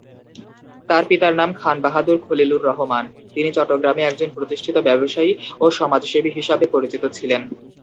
তার পিতার নাম খান বাহাদুর খলিলুর রহমান; তিনি চট্টগ্রামে একজন প্রতিষ্ঠিত ব্যবসায়ী ও সমাজসেবী হিসাবে পরিচিত ছিলেন।